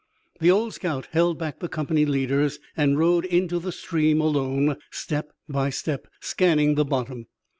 The old scout held back the company leaders and rode into the stream alone, step by step, scanning the bottom.